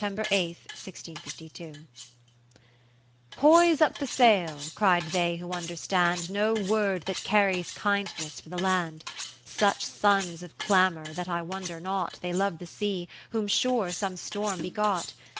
8, 1652 HoiSE ^ up the sail, cry'd they who understand No word that carries kindness for the land : Such sons of clamour, that I wonder not ■ They love the sea, whom sure some storm begot.